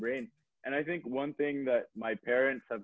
jika kamu ingin melakukan sesuatu